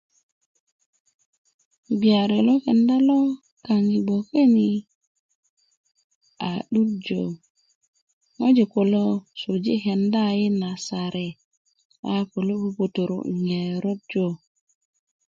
Gbiyari lo kenda kaŋ i gboke ni a 'durjö ŋojik kulo suluji' kenda i naserye a kulu puputuru' ŋerot yu